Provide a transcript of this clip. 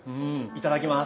いただきます。